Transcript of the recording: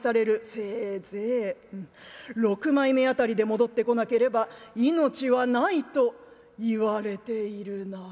せいぜい６枚目辺りで戻ってこなければ命はないと言われているなあ」。